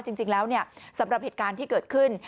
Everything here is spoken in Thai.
จริงแล้วสำหรับเหตุการณ์ที่เกิดขึ้น